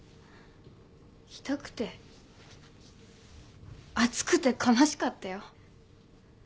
痛くて熱くて悲しかったよ。